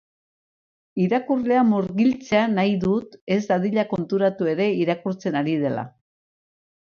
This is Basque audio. Irakurlea murgiltzea nahi dut, ez dadila konturatu ere irakurtzen ari dela.